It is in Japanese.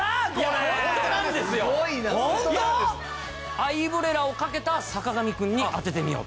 アイブレラをかけた坂上くんに当ててみようと。